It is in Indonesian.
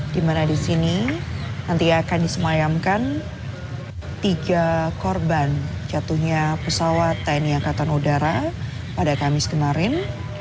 dimana disini nanti akan disemayamkan tiga korban jatuhnya pesawat tni angkatan udara pada kamis kemarin